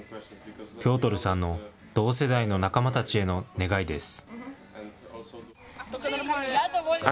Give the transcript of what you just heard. ピョートルさんの同世代の仲間たちへの願いです。